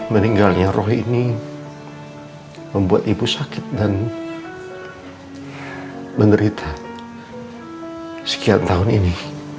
meninggalnya roh ini membuat ibu sakit dan menderita sekian tahun ini